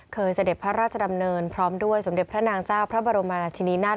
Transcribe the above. เสด็จพระราชดำเนินพร้อมด้วยสมเด็จพระนางเจ้าพระบรมราชินีนาฏ